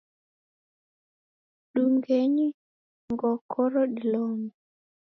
Dungenyi ngokoro dilombe